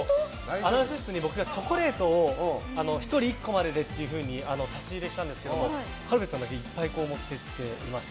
アナウンス室に僕がチョコレートを１人１個まででって差し入れしたんですけど軽部さんだけいっぱい持ってってました。